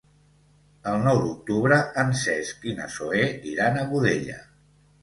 El nou d'octubre en Cesc i na Zoè iran a Godella.